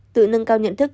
tự nâng cao nhận thức